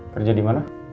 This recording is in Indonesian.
kerja di mana